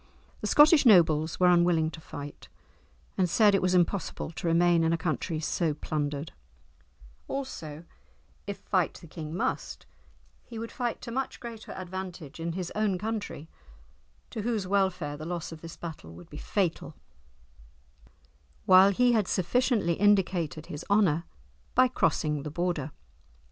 The Scottish nobles were unwilling to fight, and said it was impossible to remain in a country so plundered; also, if fight the king must, he would fight to much greater advantage in his own country, to whose welfare the loss of this battle would be fatal; while he had sufficiently indicated his honour by crossing the Border.